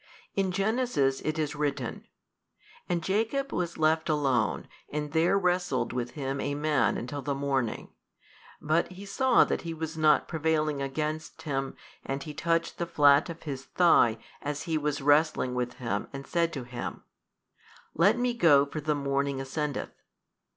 In 35 Genesis it is written, And Jacob was left alone, and there wrestled with him a Man until the morning: but he saw that he was not prevailing against him and he touched the flat of his thigh as he was wrestling with him 36 and said to him, Let me go for the morning ascendeth.